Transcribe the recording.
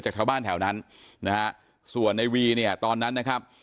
ชาวบ้านแถวนั้นนะฮะส่วนในวีเนี่ยตอนนั้นนะครับ